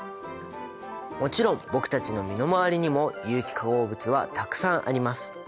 もちろん僕たちの身の回りにも有機化合物はたくさんあります。